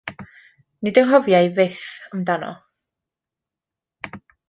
Nid anghofiaf byth amdano.